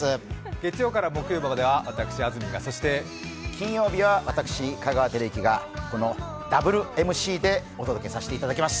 月曜から木曜までは私、安住が金曜日は私、香川照之が、ダブルＭＣでお届けさせていただきます。